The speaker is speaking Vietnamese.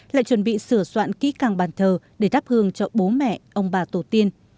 lại chuẩn bị sửa soạn kỹ càng bàn thờ để đáp hương cho bố mẹ ông bà tổ tiên